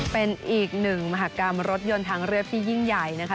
เป็นอีกหนึ่งมหากรรมรถยนต์ทางเรียบที่ยิ่งใหญ่นะคะ